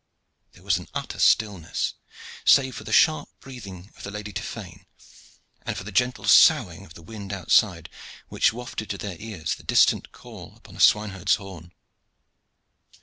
There was an utter stillness, save for the sharp breathing of the Lady Tiphaine and for the gentle soughing of the wind outside, which wafted to their ears the distant call upon a swine herd's horn.